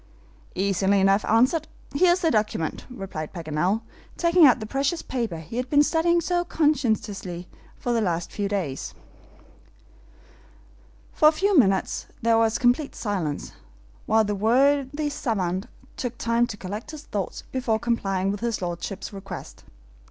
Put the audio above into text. "Easily enough answered. Here is the document," replied Paganel, taking out the precious paper he had been studying so conscientiously for the last few days. For a few minutes there was complete silence, while the worthy SAVANT took time to collect his thoughts before complying with his lordship's request.